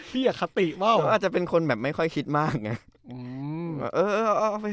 พี่อย่ากคติมากก็อาจจะเป็นคนแบบคิดแม่งไม่คิดมาก